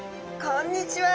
こんにちは。